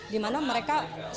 di mana mereka setidaknya